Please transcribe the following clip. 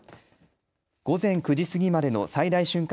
午前９時過ぎまでの最大瞬間